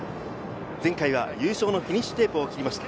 前回は優勝のフィニッシュテープを切りました。